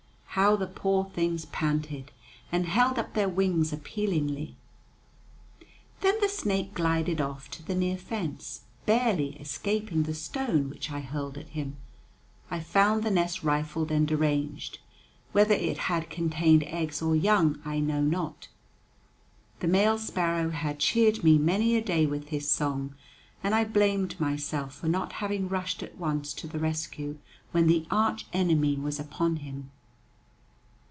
How the poor things panted, and held up their wings appealingly! Then the snake glided off to the near fence, barely escaping the stone which I hurled at him. I found the nest rifled and deranged; whether it had contained eggs or young, I know not. The male sparrow had cheered me many a day with his song, and I blamed myself for not having rushed at once to the rescue, when the arch enemy was upon him.